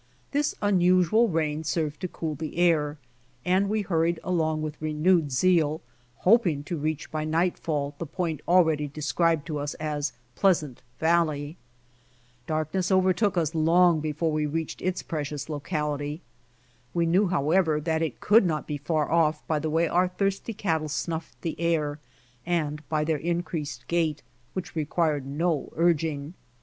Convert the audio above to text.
This unusual rain served to cool the air, and we hurried along with renewed zeal, hoping to reach by nightfall, the point already described to ua as Pleasant valley. Darkness overtook us long before we reached its precious locality. We knew, however, that it could not be far off by the way our thirsty cat tle snuffed the air, and by their increased gait, which required no urging.